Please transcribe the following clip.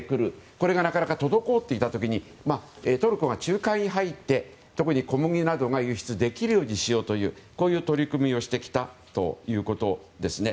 これがなかなか滞っていた時にトルコが仲介に入って特に小麦などを輸出できるようにしようという取り組みをしてきたということですね。